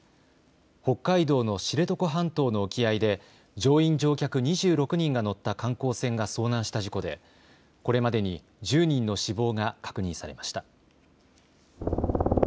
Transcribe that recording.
北海道の知床半島の沖合で乗員・乗客２６人が乗った観光船が遭難した事故でこれまでに１０人の死亡が確認されました。